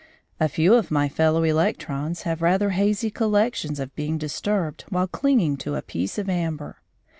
A few of my fellow electrons have rather hazy recollections of being disturbed while clinging to a piece of amber.